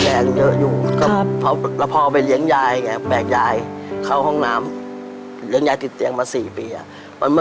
หนูก็ยังมีแรงเยอะอยู่